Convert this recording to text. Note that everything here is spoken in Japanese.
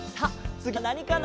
つぎはなにかな？